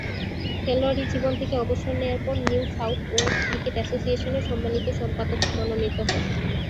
খেলোয়াড়ী জীবন থেকে অবসর নেয়ার পর নিউ সাউথ ওয়েলস ক্রিকেট অ্যাসোসিয়েশনের সম্মানিত সম্পাদক মনোনীত হন।